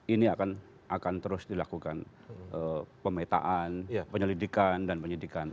ini akan terus dilakukan pemetaan penyelidikan dan penyidikan